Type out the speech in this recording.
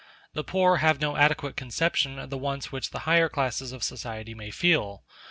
The poor have no adequate conception of the wants which the higher classes of society may feel.